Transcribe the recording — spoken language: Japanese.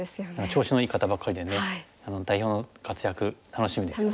調子のいい方ばかりでね代表の活躍楽しみですよね。